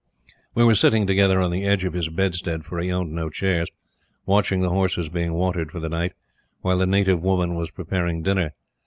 We were sitting together on the edge of his bedstead, for he owned no chairs, watching the horses being watered for the night, while the native woman was preparing dinner.